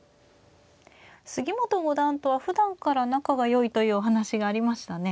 杉本五段とはふだんから仲がよいというお話がありましたね。